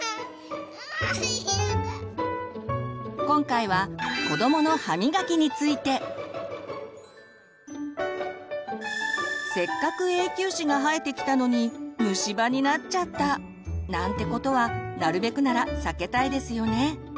今回は子どもの歯みがきについて。せっかく永久歯が生えてきたのに虫歯になっちゃった！なんてことはなるべくなら避けたいですよね。